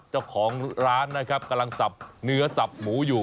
เจ้าของร้านกำลังสับเหนือสับหมูอยู่